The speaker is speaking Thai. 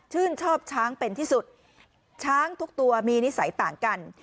ชอบช้างเป็นที่สุดช้างทุกตัวมีนิสัยต่างกัน